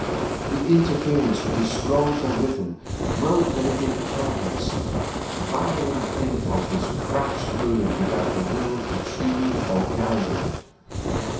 The interference had destroyed the rhythm, broken it into fragments. Violent impulses clashed through him without the will to choose or guide them.